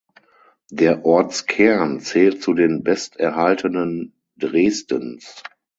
Der Ortskern zählt zu den besterhaltenen Dresdens.